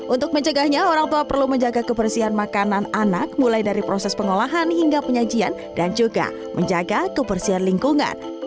untuk mencegahnya orang tua perlu menjaga kebersihan makanan anak mulai dari proses pengolahan hingga penyajian dan juga menjaga kebersihan lingkungan